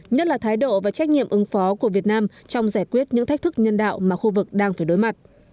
nhất là thái độ và trách nhiệm ứng phó của việt nam trong giải quyết những thách thức nhân đạo mà khu vực đang phải đối mặt